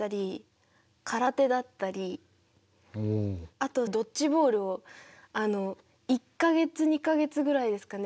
あとドッジボールをあの１か月２か月ぐらいですかね